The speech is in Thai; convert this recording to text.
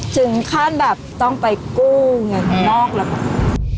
ถึงขั้นแบบต้องไปกู้เหง่านอกนะครับ